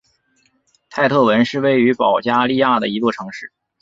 泰特文是位于保加利亚的一座城市。